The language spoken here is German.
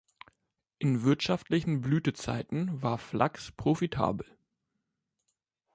In wirtschaftlichen Blütezeiten war Flachs profitabel.